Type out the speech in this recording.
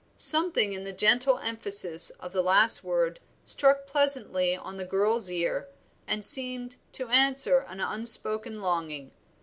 Something in the gentle emphasis of the last word struck pleasantly on the girl's ear, and seemed to answer an unspoken longing.